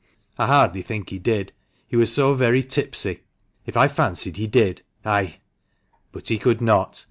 I hardly think he did, he was so very tipsy. If I fancied he did, I — but he could not.